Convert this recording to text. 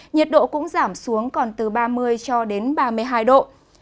nhiệt độ cũng giảm xuống còn từ ba mươi cho đến ba mươi hai độ